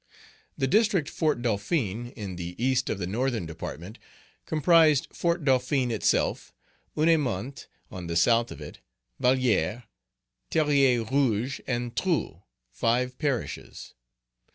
The District Fort Dauphin, Page 17 in the east of the Northern Department, comprised Fort Dauphin itself, Ouanaminthe, on the south of it, Vallière, Terrier Rouge, and Trou, five parishes.